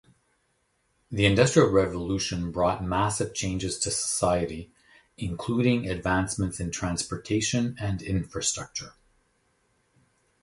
The industrial revolution brought massive changes to society, including advancements in transportation and infrastructure.